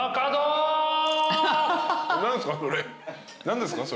何ですか？